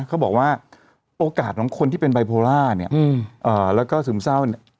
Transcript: เขาบอกว่าโอกาสของคนที่เป็นไบโพล่าเนี่ยแล้วก็ซึมเศร้าเนี่ย